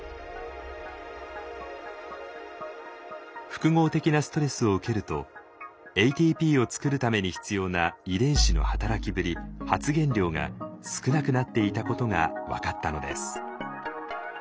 複合的なストレスを受けるとＡＴＰを作るために必要な遺伝子の働きぶり・発現量が少なくなっていたことが分かったのです。